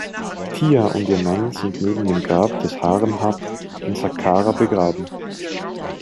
Tia und ihr Mann sind neben dem Grab des Haremhab in Sakkara begraben.